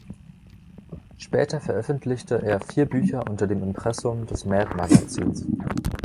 Später veröffentlichte er vier Bücher unter dem Impressum des „Mad“-Magazins.